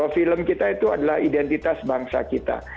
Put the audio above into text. film kita itu adalah identitas bangsa kita